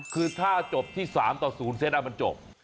คือถ้าจบที่๓ต่อ๐เซตมันจบ